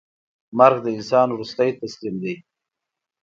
مرګ د انسان وروستۍ تسلیم ده.